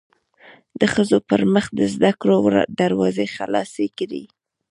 د ښځو پرمخ د زده کړو دروازې خلاصې کړی